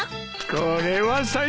これは最高だ。